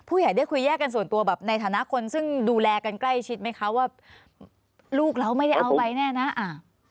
ผู้ใหญ่ได้คุยแยกกันส่วนตัวแบบในฐานะคนซึ่งดูแลกันใกล้ชิดไหมคะว่าลูกเราไม่ได้เอาไปแน่นะอ่า